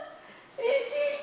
うれしい？